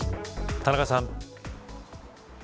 田中さん。